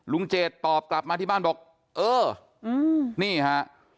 เจดตอบกลับมาที่บ้านบอกเออนี่ฮะ